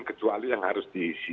kecuali yang harus